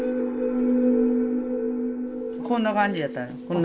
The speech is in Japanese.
こんな感じやったん。